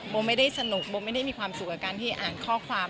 ไม่ได้สนุกโบไม่ได้มีความสุขกับการที่อ่านข้อความ